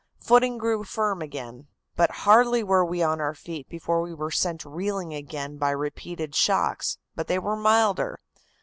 Footing grew firm again, but hardly were we on our feet before we were sent reeling again by repeated shocks, but they were milder.